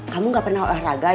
kamu gak pernah oleh raga ya